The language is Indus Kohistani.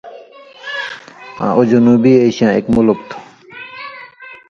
آں اُو جنوبی اېشیاں اک مُلک تُھو،